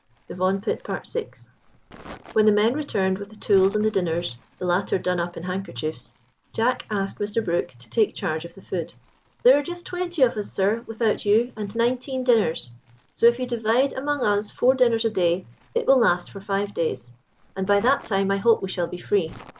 THE VAUGHAN PIT.—VI. When the men returned with the tools and the dinners, the latter done up in handkerchiefs, Jack asked Mr. Brook to take charge of the food. "There are just twenty of us, sir, without you, and nineteen dinners. So if you divide among us four dinners a day it will last for five days, and by that time I hope we shall be free."